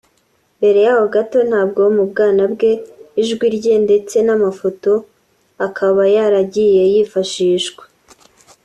Mbere yaho gato nabwo mu bwana bwe ijwi rye ndetse n’amafoto akaba yaragiye yifashishwa